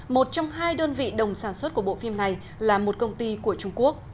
một trong hai đơn vị đồng sản xuất của bộ phim này là một công ty của trung quốc